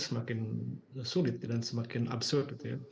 semakin sulit dan semakin absurd